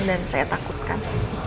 dan saya takutkan